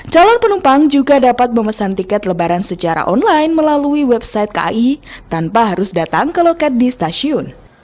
calon penumpang juga dapat memesan tiket lebaran secara online melalui website kai tanpa harus datang ke loket di stasiun